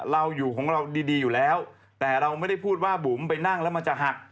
เราอยู่ของเราดีอยู่แล้วแต่เราไม่ได้พูดว่าบุ๋มไปนั่งแล้วมันจะหัก